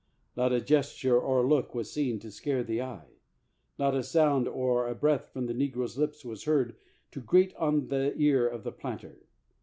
Not a gesture or a look was seen to scare the eye; not a sound or a breath from the negro's lips was heard to grate on the ear of the planter.